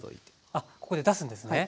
あっここで出すんですね。